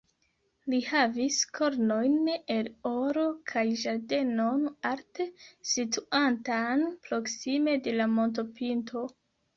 Li havis kornojn el oro kaj ĝardenon alte situantan, proksime de la montopinto.